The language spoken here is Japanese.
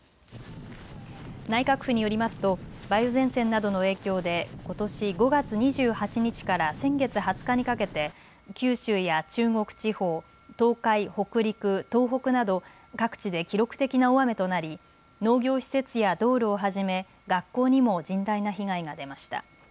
内閣府によりますと梅雨前線などの影響でことし５月２８日から先月２０日にかけて九州や中国地方、東海、北陸、東北など各地で記録的な大雨となり農業施設や道路をはじめ学校にも甚大な被害が出ました。